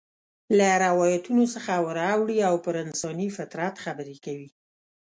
له روایتونو څخه ور اوړي او پر انساني فطرت خبرې کوي.